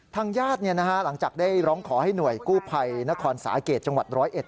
ทางญาติหลังจากได้ร้องขอให้หน่วยกู้ภัยนครสาเกตจังหวัดร้อยเอ็ด